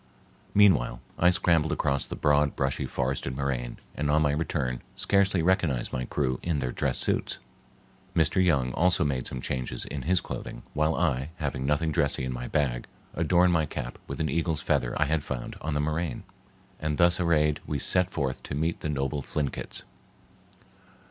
Meanwhile, I scrambled across the broad, brushy, forested moraine, and on my return scarcely recognized my crew in their dress suits. Mr. Young also made some changes in his clothing, while I, having nothing dressy in my bag, adorned my cap with an eagle's feather I found on the moraine, and thus arrayed we set forth to meet the noble Thlinkits.